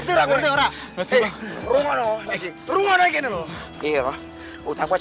eh ngerti nggak ngerti nggak